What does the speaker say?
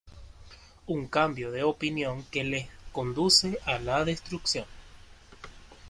Un cambio de opinión que le conduce a la destrucción.